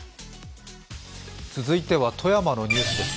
続いては富山のニュースです。